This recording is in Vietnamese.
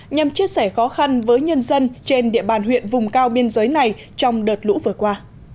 nhằm chia sẻ khó khăn với nhân dân trên địa bàn huyện vùng cao biên giới này trong đợt lũ vừa qua